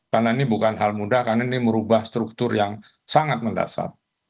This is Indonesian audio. karena ini bukan hal mudah karena ini merubah struktur yang sangat mendasar